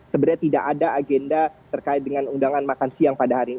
sebenarnya tidak ada agenda terkait dengan undangan makan siang pada hari ini